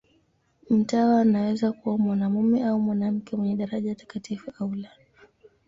Mtawa anaweza kuwa mwanamume au mwanamke, mwenye daraja takatifu au la.